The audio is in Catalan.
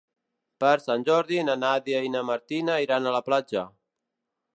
Per Sant Jordi na Nàdia i na Martina iran a la platja.